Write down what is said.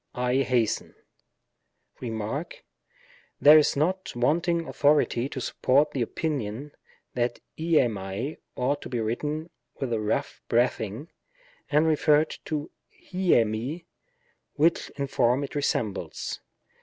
t e fi€3a, t € (r5€, i € vro * There is not wanting authority to support the opinion that L e fiat ought to be written with the rough breathing, and referred to t ^ fit, which in form it resembles.